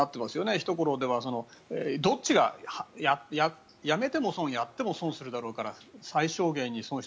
ひと頃ではどっちがやめてもやっても損するだろうから最小限に損失